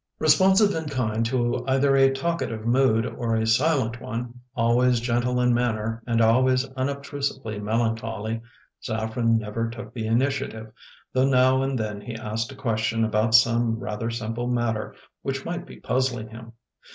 Responsive in kind to either a talkative mood or a silent one, always gentle in manner, and always unobtrusively melancholy, Saffren never took the initiative, though now and then he asked a question about some rather simple matter which might be puzzling him.